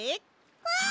うん！